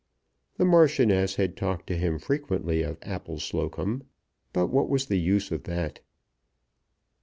The Marchioness had talked to him frequently of Appleslocombe; but what was the use of that?